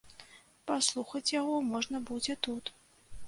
Паслухаць яго можна будзе тут.